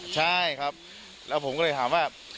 ใช่ครับแล้วผมก็เลยถามว่า